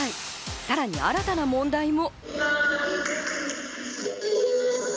さらに新たな問題も。